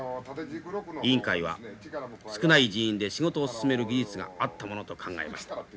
委員会は少ない人員で仕事を進める技術があったものと考えました。